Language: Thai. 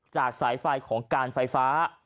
สายไฟของการไฟฟ้า